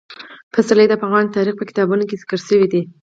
پسرلی د افغان تاریخ په کتابونو کې ذکر شوی دي.